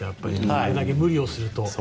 あれだけ無理をすると。